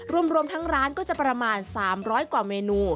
รวมทั้งร้านก็จะประมาณ๓๐๐กว่าเมนู